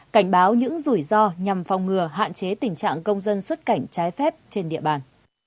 cảnh báo những rủi ro nhằm phòng ngừa hạn chế tình trạng công dân xuất cảnh trái phép trên địa bàn